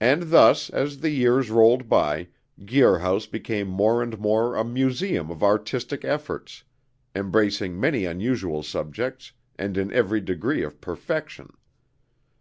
And thus, as the years rolled by, Guir House became more and more a museum of artistic efforts, embracing many unusual subjects, and in every degree of perfection.